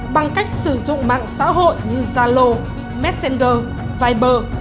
bằng cách sử dụng mạng xã hội như zalo messenger viber